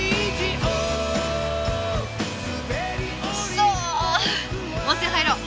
さあ温泉入ろう！